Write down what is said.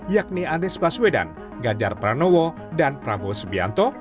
yakni anies baswedan ganjar pranowo dan prabowo subianto